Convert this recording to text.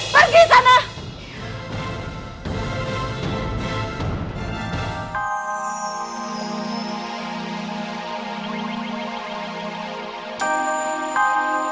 pergi ke sana